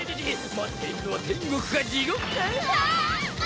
待っているのは天国か地獄かうわあ！